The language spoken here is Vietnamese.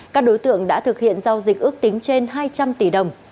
các đối tượng đã thực hiện giao dịch ước tính trên hai trăm linh tỷ đồng